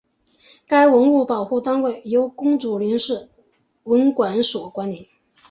该文物保护单位由公主岭市文管所管理。